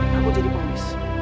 dan kamu jadi pemis